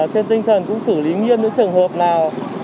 trên tinh thần cũng xử lý nghiêm những trường hợp nào